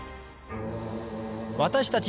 私たち